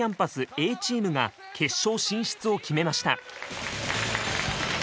Ａチームが決勝進出を決めました。